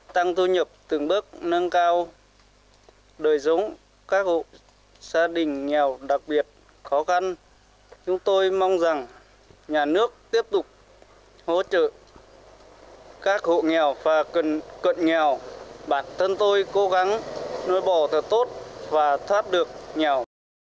tăng thu nhập từng bước nâng cao đời giống các hộ gia đình nhào đặc biệt khó khăn chúng tôi mong rằng nhà nước tiếp tục hỗ trợ các hộ nhào và cận nhào bản thân tôi cố gắng nuôi bò thật tốt và thoát được nhào